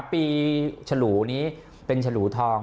ปีฉลูนี้เป็นฉลูทอง